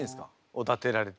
おだてられて。